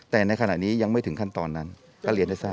แต่ในขณะนี้ยังไม่ถึงขั้นตอนนั้นก็เรียนให้ทราบ